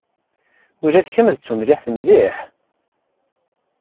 Ula d kemm d tumliḥt mliḥ.